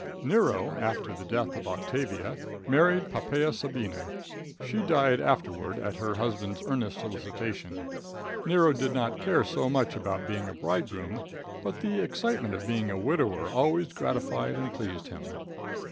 Nero, after the death of Octavia, married Poppaea Sabina. She died afterward at her husband's earnest solicitation. Nero did not care so much about being a bridegroom, but the excitement of being a widower always gratified and pleased him.